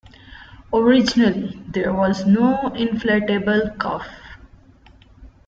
Originally, there was no inflatable cuff.